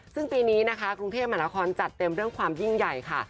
ซึ่งปีนี้นะคะกรุงเทพมหานครจัดเต็มเรื่องความยิ่งใหญ่ค่ะ